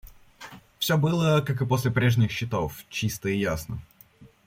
Всё было, как и после прежних счетов, чисто и ясно.